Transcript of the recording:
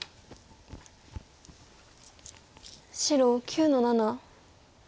白９の七。